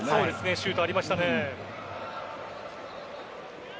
シュートありましたね。